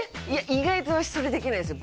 意外とわしそれできないんですよ